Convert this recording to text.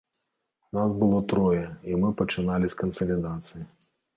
Нас было трое, і мы пачыналі з кансалідацыі.